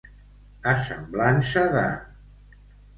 A semblança de.